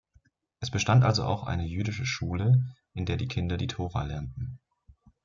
Es bestand also auch eine jüdische Schule, in der die Kinder die Tora lernten.